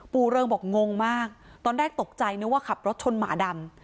เริงบอกงงมากตอนแรกตกใจนึกว่าขับรถชนหมาดำ